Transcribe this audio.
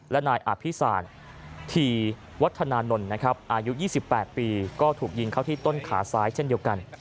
และนายอภิสารทีวัฒนานนท์นะครับอายุ๒๘ปีก็ถูกยิงเข้าที่ต้นขาซ้ายเช่นเดียวกัน